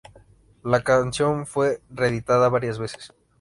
La canción fue reeditada varias veces.